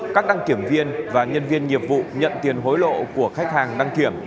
các đăng kiểm viên và nhân viên nhiệm vụ nhận tiền hối lộ của khách hàng đăng kiểm